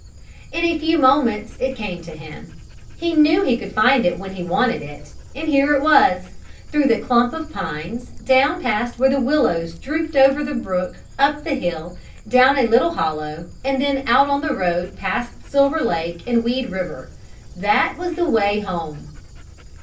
In a few moments it came to him. He knew he could find it when he wanted it, and here it was through the clump of pines, down past where the willows drooped over the brook, up the hill, down a little hollow and then out on the road past Silver Lake and Weed River that was the way home.